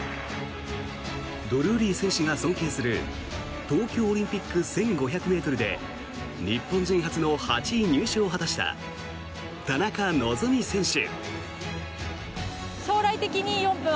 ドルーリー選手が尊敬する東京オリンピック１５００ｍで日本人初の８位入賞を果たした田中希実選手。